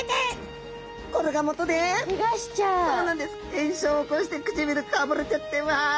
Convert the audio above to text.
炎症を起こして唇かぶれちゃってうわ